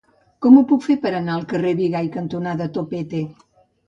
Com ho puc fer per anar al carrer Bigai cantonada Topete?